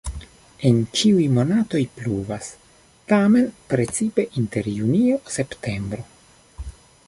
En ĉiuj monatoj pluvas, tamen precipe inter junio-septembro.